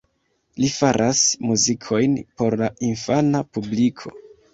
Li faras muzikojn por la infana publiko.